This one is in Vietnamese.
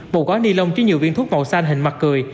một quán ni lông chứa nhiều viên thuốc màu xanh hình mặt cười